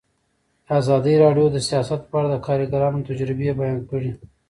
ازادي راډیو د سیاست په اړه د کارګرانو تجربې بیان کړي.